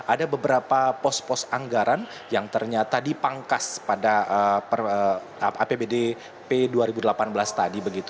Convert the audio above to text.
ada beberapa pos pos anggaran yang ternyata dipangkas pada apbdp dua ribu delapan belas tadi